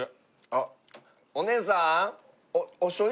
あっお姉さん。